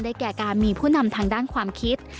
แก่การมีผู้นำทางด้านความคิด